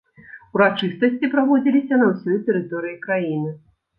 Урачыстасці праводзіліся на ўсёй тэрыторыі краіны.